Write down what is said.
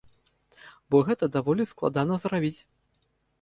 Бо гэта даволі складана зрабіць.